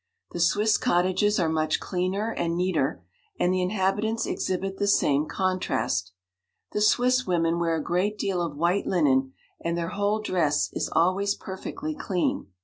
The Swiss cottages are much cleaner and neater, and the in habitants exhibit the same contrast. The Swiss women wear a great deal of white linen, and their whole dress is always perfectly clean.